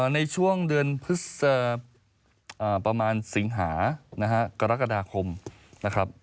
ในช่วงเดือนประมาณสิงหานะฮะกรกฎาคมนะครับ